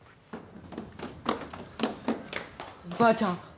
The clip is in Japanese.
ばあちゃん